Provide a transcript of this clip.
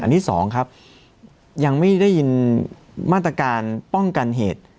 อันนี้สองครับยังไม่ได้ยินมาตรการป้องกันเหตุ